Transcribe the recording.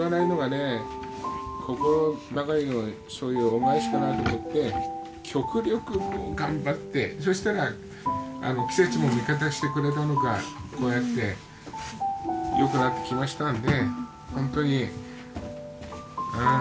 心ばかりのそういう恩返しかなと思って極力こう頑張ってそうしたら季節も味方してくれたのかこうやって良くなってきましたので本当にうん。